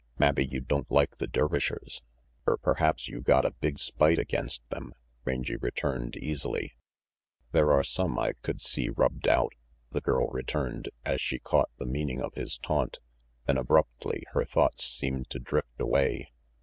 " Mabbe you don't like the Dervishers, er perhaps you got a big spite against them," Rangy returned easily. "There are some I could see rubbed out," the girl returned, as she caught the meaning of his taunt; then abruptly her thoughts seemed to drift away.